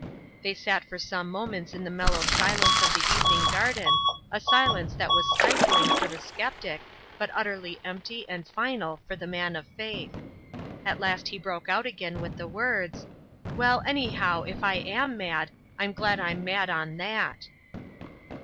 They sat for some moments in the mellow silence of the evening garden, a silence that was stifling for the sceptic, but utterly empty and final for the man of faith. At last he broke out again with the words: "Well, anyhow, if I'm mad, I'm glad I'm mad on that."